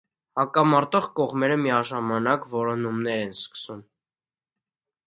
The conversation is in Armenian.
Հակամարտող կողմերը միաժամանակ որոնումներ են սկսում։